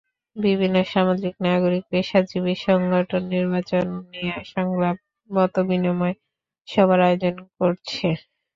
বিভিন্ন সামাজিক, নাগরিক, পেশাজীবী সংগঠন নির্বাচন নিয়ে সংলাপ, মতবিনিময় সভার আয়োজন করছে।